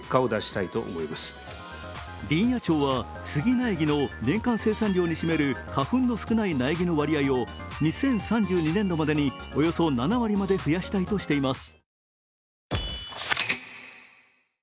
林野庁は杉苗木の年間生産量に占める花粉の少ない苗木の割合を２０３２年度までに、およそ７割まで増やしたいとしています。